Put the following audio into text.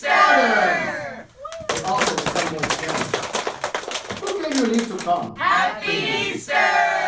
"Pardons!" They all said the word together. "Who gave you leave to come?" King asked.